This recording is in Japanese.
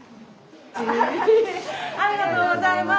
ありがとうございます。